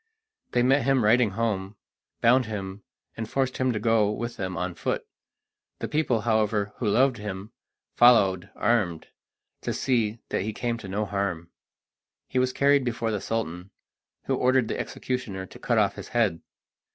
They met him riding home, bound him, and forced him to go with them on foot. The people, however, who loved him, followed, armed, to see that he came to no harm. He was carried before the Sultan, who ordered the executioner to cut off his head.